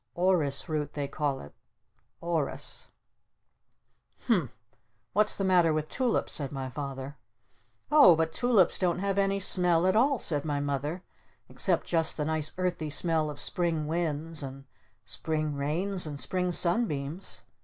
Orris root they call it. Orris " "Humph! What's the matter with Tulips?" said my Father. "Oh but Tulips don't have any smell at all," said my Mother. "Except just the nice earthy smell of Spring winds and Spring rains and Spring sunbeams!